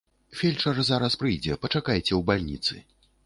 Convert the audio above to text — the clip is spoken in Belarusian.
Фельчар зараз прыйдзе, пачакайце ў бальніцы.